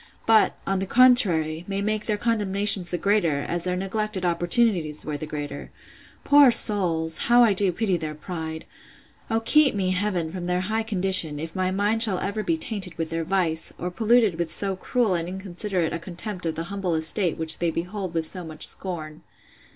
—But, on the contrary, may make their condemnations the greater, as their neglected opportunities were the greater? Poor souls! how do I pity their pride!—O keep me, Heaven! from their high condition, if my mind shall ever be tainted with their vice! or polluted with so cruel and inconsiderate a contempt of the humble estate which they behold with so much scorn!